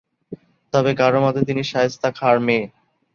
তবে কারো মতে তিনি শায়েস্তা খাঁর মেয়ে।